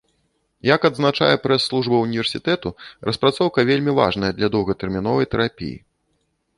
Як адзначае прэс-служба ўніверсітэту, распрацоўка вельмі важная для доўгатэрміновай тэрапіі.